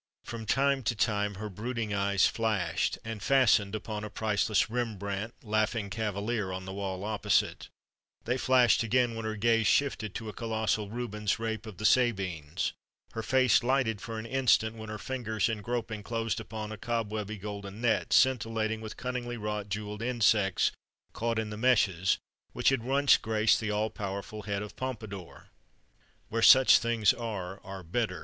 From time to time her brooding eyes flashed and fastened upon a priceless Rembrandt "Laughing Cavalier" on the wall opposite; they flashed again when her gaze shifted to a colossal Rubens "Rape of the Sabines"; her face lighted for an instant when her fingers in groping closed upon a cobwebby golden net, scintillating with cunningly wrought jeweled insects caught in the meshes, which had once graced the all powerful head of Pompadour. "Where such things are, are better!"